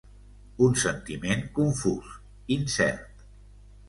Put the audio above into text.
Un sentiment confús, incert.